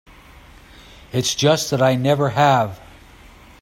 It's just that I never have.